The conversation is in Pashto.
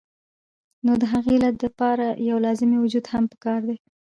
نو د هغې علت د پاره يو لازمي وجود هم پکار دے